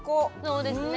そうですね。